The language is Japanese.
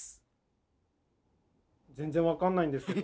全然分かんないんですけど。